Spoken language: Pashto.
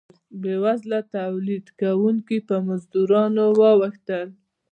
بیوزله تولید کوونکي په مزدورانو واوښتل.